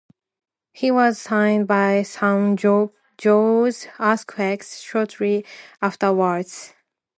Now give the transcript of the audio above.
He was signed by San Jose Earthquakes shortly afterwards.